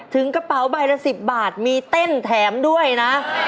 ถึงกระเป๋าใบละ๑๐บาทมีเต้นแถมด้วยนะ